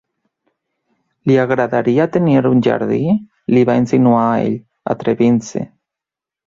Li agradaria tenir un jardí?—li va insinuar ell, atrevint-se.